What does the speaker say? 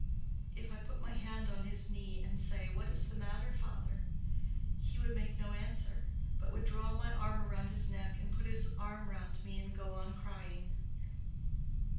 If I put my hand on his knee and say, 'What is the matter, father?' he would make no answer, but would draw my arm round his neck and put his arm round me and go on crying.